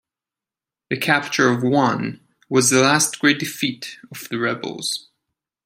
The capture of Wan was the last great defeat of the rebels.